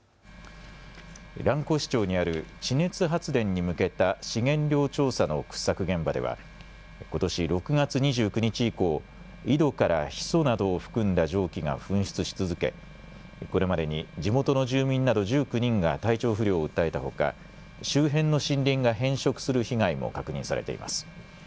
蘭越町にある地熱発電に向けた資源量調査の掘削現場ではことし６月２９日以降、井戸からヒ素などを含んだ蒸気が噴出し続け、これまでに地元の住民など１９人が体調不良を訴えたほか周辺の森林が変色する被害も確認されています。